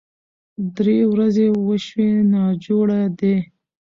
درې ورځې وشوې ناجوړه دی